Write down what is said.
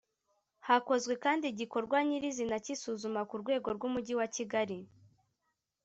Hakozwe kandi igikorwa nyir izina cy isuzuma ku rwego rw Umujyi wakigali